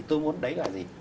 tôi muốn đấy là gì